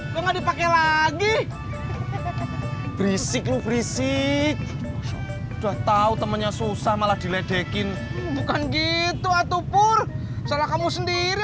berisik berisik udah tahu temennya susah malah diledekin bukan gitu atau pur salah kamu sendiri